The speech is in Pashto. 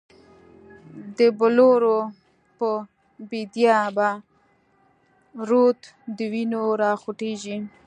دبلورو په بیدیا به، رود دوینو راخوټیږی